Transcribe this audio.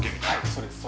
そうです。